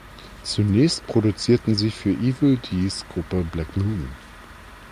Zunächst produzierten sie für Evil Dees Gruppe Black Moon.